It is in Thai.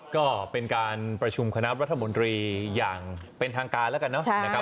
ก็เป็นการประชุมคณะรัฐมนตรีอย่างเป็นทางการแล้วกันนะครับ